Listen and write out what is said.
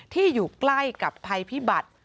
ที่อยู่ใกล้กับภัยพิบัติ